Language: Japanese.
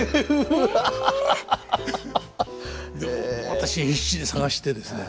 私必死に探してですね